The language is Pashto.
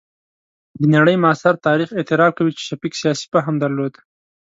د نړۍ معاصر تاریخ اعتراف کوي چې شفیق سیاسي فهم درلود.